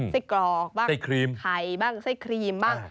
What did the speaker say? ไส้กรอกบ้างไส้ครีมไข่บ้างไส้ครีมบ้าง